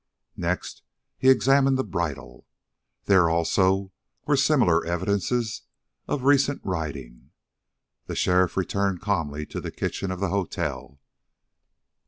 Next he examined the bridle. There, also, were similar evidences of recent riding. The sheriff returned calmly to the kitchen of the hotel.